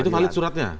itu halid suratnya